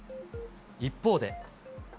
一方で。